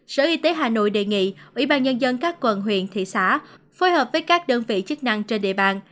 sở y tế hà nội đề nghị ủy ban nhân dân các quận huyện thị xã phối hợp với các đơn vị chức năng trên địa bàn